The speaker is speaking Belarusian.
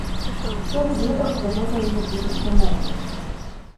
Хто ж ведаў, што гэта яе будучы муж?